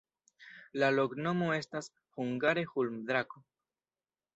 La loknomo estas hungare: ulmo-drako.